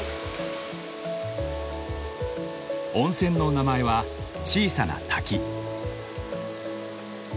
温泉の名前は小さな滝。